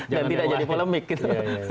dan tidak jadi polemik gitu